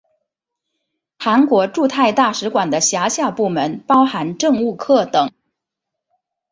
韩国驻泰大使馆的辖下部门包含政务课等。